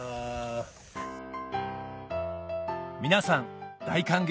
皆さん大歓迎